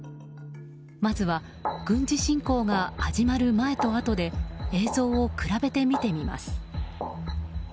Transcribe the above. まずは軍事侵攻が始まる前とあとで映像を比べて見てみます。